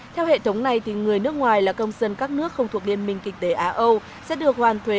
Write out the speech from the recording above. theo hệ thống này người nước ngoài là công dân các nước không thuộc liên minh kinh tế á âu sẽ được hoàn thuế